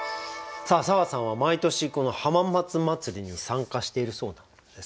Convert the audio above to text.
砂羽さんは毎年この浜松まつりに参加しているそうなんです。